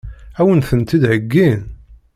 Ad wen-tent-id-heggin?